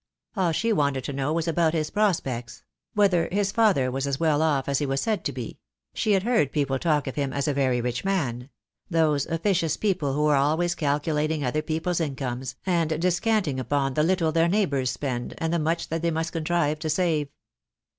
All she wanted to know was about his prospects — whether his father was as well off as he was said to be — she had heard people talk of him as a very rich man — those officious people who are always calculating other people's incomes, and descant ing upon the little their neighbours spend, and the much that they must contrive to save.